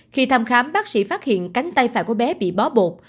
khi thăm khám bác sĩ phát hiện cánh tay phải của bé bị bó bột